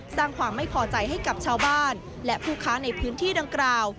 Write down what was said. สร้างความไม่พอใจให้กับชาวบ้านและผู้ค้าในพื้นที่ดังกล่าว